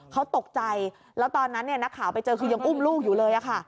เขาตกใจแล้วตอนนั้นนักข่าวไปเจอคือยังอุ้มลูกอยู่เลยค่ะ